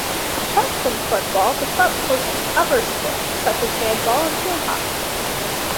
Apart from football, the club hosts other sports such as handball and field hockey.